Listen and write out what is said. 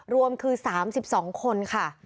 รวมคือ๓๒คนค่ะ